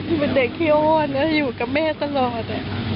อุ้มมันเด็กที่โอ้นอยู่กับแม่ตลอด